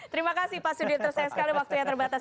terima kasih pak sudir sayang sekali waktunya terbatas